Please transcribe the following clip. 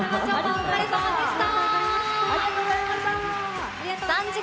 お疲れさまでした。